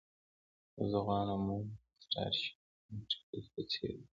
خو زه غواړم موږ د سټارشیپ انټرپریز په څیر اوسو